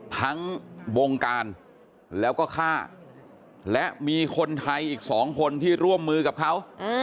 ทั้งวงการแล้วก็ฆ่าและมีคนไทยอีก๒คนที่ร่วมมือกับเขา